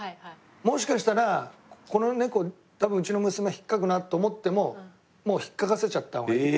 もしかしたらこの猫多分うちの娘引っかくなって思ってももう引っかかせちゃった方がいい。